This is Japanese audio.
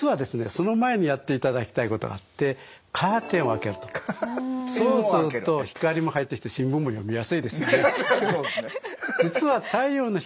その前にやっていただきたいことがあってそうすると光も入ってきて新聞も読みやすいですよね。